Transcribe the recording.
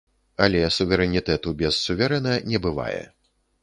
Але суверэнітэту без суверэна не бывае.